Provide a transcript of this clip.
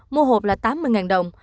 mua hộp là tám mươi đồng